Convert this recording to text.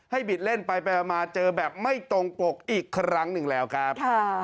บิดเล่นไปมาเจอแบบไม่ตรงปกอีกครั้งหนึ่งแล้วครับ